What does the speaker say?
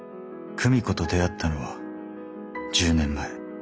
久美子と出会ったのは１０年前。